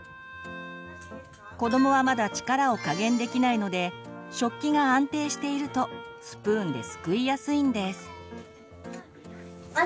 子どもはまだ力を加減できないので食器が安定しているとスプーンですくいやすいんです。